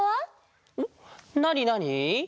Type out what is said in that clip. なになに？